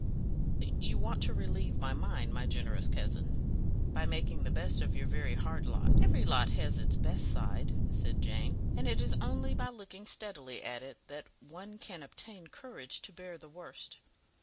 "You want to relieve my mind, my generous cousin, by making the best of your very hard lot." "Every lot has its best side," said Jane, "and it is only by looking steadily at it that one can obtain courage to bear the worst.